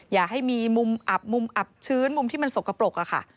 อย่าให้มีมุมอับมุมอับชื้นมุมที่มันสกปรกอะค่ะ